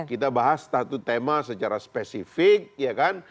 kita bahas satu tema secara spesifik ya kan